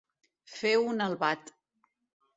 Fer un albat.